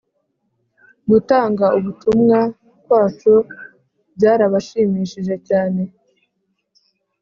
gutanga ubutumwa kwacu byarabashimishije cyane